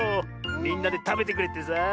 みんなでたべてくれってさあ。